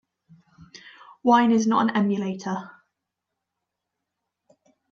Wine is not an emulator.